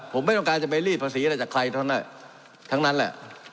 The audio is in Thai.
ผมไม่ต้องการจะไปรีดภาษีอะไรจากใครเท่านั้นทั้งนั้นแหละ